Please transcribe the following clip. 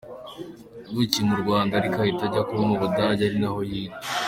Yavukiye mu Rwanda ariko ahita ajya kuba mu Budage ari naho yiga .